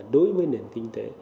đối với nền kinh tế